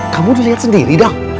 kamu dilihat sendiri dong